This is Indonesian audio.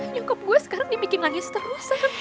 nyokap gue sekarang dibikin nangis terus sam